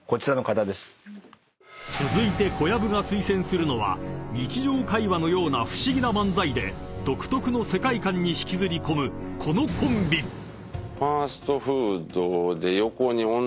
［続いて小籔が推薦するのは日常会話のような不思議な漫才で独特の世界観に引きずり込むこのコンビ］みたいな。